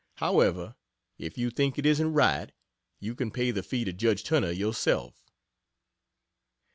However, if you think it isn't right, you can pay the fee to judge Turner yourself.